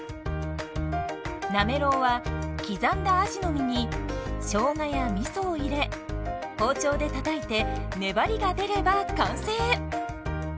なめろうは刻んだあじの身にしょうがやみそを入れ包丁でたたいて粘りが出れば完成。